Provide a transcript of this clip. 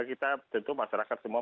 kita tentu masyarakat semua